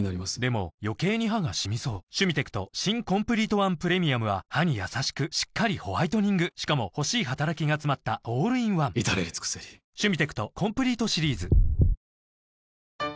余計に歯がシミそう「シュミテクト新コンプリートワンプレミアム」は歯にやさしくしっかりホワイトニングしかも欲しい働きがつまったオールインワン至れり尽せりかしこく食べたいうわ！